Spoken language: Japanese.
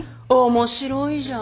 面白いじゃん。